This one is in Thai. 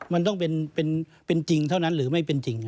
มันต้องเป็นจริงเท่านั้นหรือไม่เป็นจริง